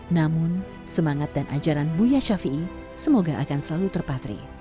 namun semangat dan ajaran buya shafi'i semoga akan selalu terpatir